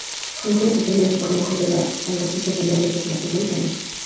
Mención especial merece el personaje de la alguacil y compañera del personaje Bull Shannon.